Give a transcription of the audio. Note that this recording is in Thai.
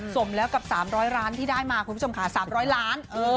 สมแล้วกับ๓๐๐ล้านที่ได้มาคุณผู้ชมค่ะ๓๐๐ล้าน